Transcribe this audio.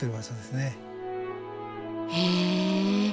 へえ。